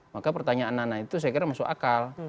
maka pertanyaan nana itu saya kira masuk akal